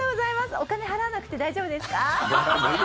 お金払わなくて大丈夫ですか？